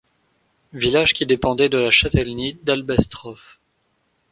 Village qui dépendait de la châtellenie d'Albestroff.